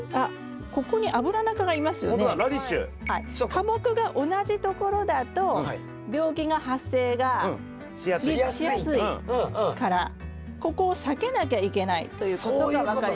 科目が同じところだと病気が発生がしやすいからここを避けなきゃいけないということが分かります。